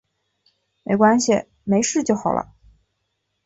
没关系，没事就好